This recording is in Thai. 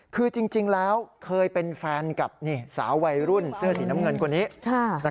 คือจริงแล้วเคยเป็นแฟนกับสาววัยรุ่นเสื้อสีน้ำเงินคนนี้